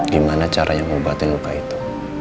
gimana caranya mengobati luka itu